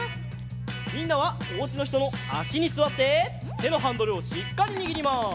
みんなはおうちのひとのあしにすわっててのハンドルをしっかりにぎります。